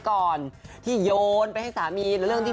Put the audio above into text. บอกให้ไปถามสามีเองเถอะ